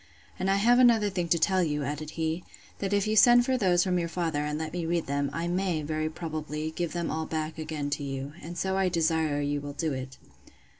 And I have another thing to tell you, added he, that if you send for those from your father, and let me read them, I may, very probably, give them all back again to you. And so I desire you will do it.